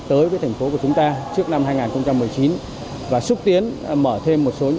tới với thành phố của chúng ta trước năm hai nghìn một mươi chín và xúc tiến mở thêm một số những